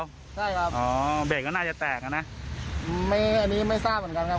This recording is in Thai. ใช่ครับอ๋อเบรกก็น่าจะแตกอ่ะนะไม่อันนี้ไม่ทราบเหมือนกันครับ